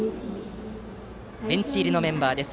ベンチ入りのメンバーです。